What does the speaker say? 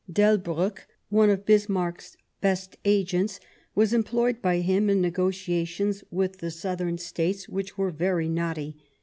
Del briick, one of Bismarck's best agents, was employed by him in negotiations with the Southern States, which were very knotty.